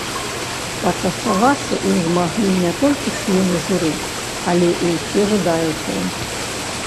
Пачаставацца ім змаглі не толькі члены журы, але і ўсе жадаючыя.